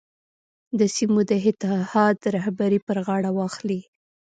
د سیمو د اتحاد رهبري پر غاړه واخلي.